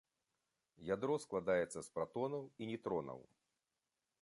Ядро складаецца з пратонаў і нейтронаў.